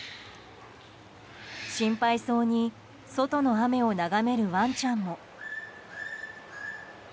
心配そうに外の雨を眺めるワンちゃんも。